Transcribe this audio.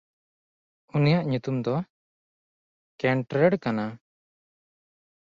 ᱩᱱᱤᱭᱟᱜ ᱧᱩᱛᱩᱢ ᱫᱚ ᱠᱮᱱᱴᱨᱮᱲ ᱠᱟᱱᱟ᱾